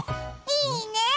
いいね！